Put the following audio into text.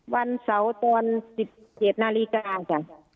วันเสาร์๑๗นาฬิกา๕โมงเย็น